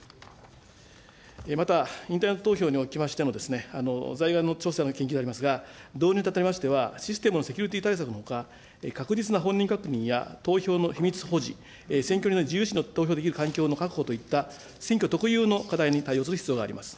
また、インターネット投票におきましても在外の調査の研究でありますが、導入にあたりましては、システムのセキュリティ対策のほか、確実な本人確認や、投票の秘密保持、選挙人の自由意思で投票できる環境の確保といった、選挙特有の課題に対応する必要があります。